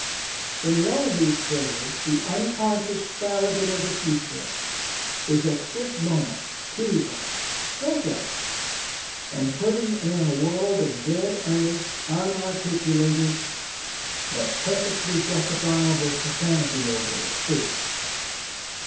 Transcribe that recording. In one of these cradles the unconscious Farragut of the future is at this moment teethingâ€"think of it! and putting in a world of dead earnest, unarticulated, but perfectly justifiable profanity over it, too.